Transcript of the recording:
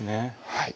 はい。